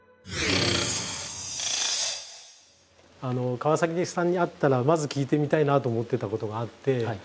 川さんに会ったらまず聞いてみたいなと思ってたことがあって。